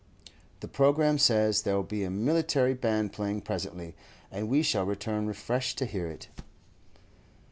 The programme says there'll be a military band playing presently, and we shall return refreshed to hear it.